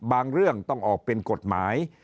เรื่องต้องออกเป็นกฎหมาย